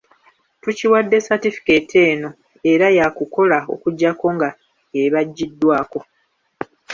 Tukiwadde satifekeeti eno era yakukola okujjako nga ebaggyiddwako.